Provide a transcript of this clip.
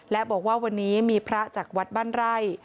และบอกว่าวันนี้มีพระจากวัดบ้านไร่